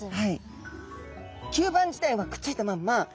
吸盤自体はくっついたまんま